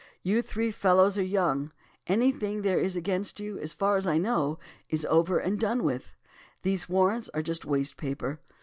You three fellows are young. Anything there is against you, as far as I know, is over and done with. These warrants are just waste paper.